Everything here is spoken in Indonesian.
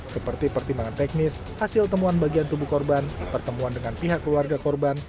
seperti pertimbangan teknis hasil temuan bagian tubuh korban pertemuan dengan pihak keluarga korban